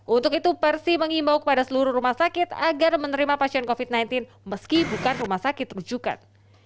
untuk itu persi mengimbau kepada seluruh rumah sakit agar menerima pasien covid sembilan belas meski bukan rumah sakit rujukan